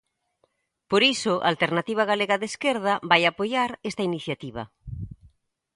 Por iso, Alternativa Galega de Esquerda vai apoiar esta iniciativa.